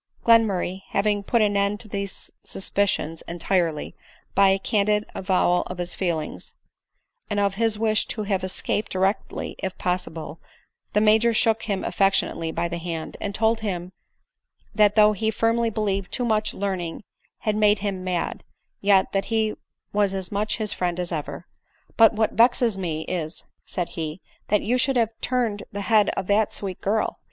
Glenmurray having put an end to these suspicions en tirely, by a candid avowal of his feelings, and of his wish to have escaped directly if possible, the Major shook him affectionately by the hand, and told him that though he firmly believed too much learning hacl made him mad, yet, that he was as much his friend as ever. " But what vexes me is," said he, " that you should have turn ed the head of that sweet girl.